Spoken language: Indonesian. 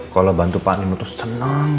kalau bantu panino tuh seneng